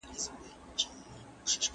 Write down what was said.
نظام پر خپل ځای ساتل شوی دی.